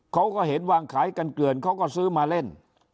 เขาก็เห็นวางขายกันเกลือนเขาก็ซื้อมาเล่น